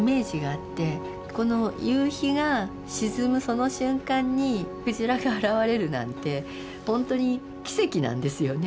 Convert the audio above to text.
この夕日が沈むその瞬間にクジラが現れるなんてほんとに奇跡なんですよね。